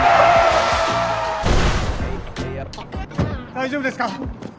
大丈夫ですか！？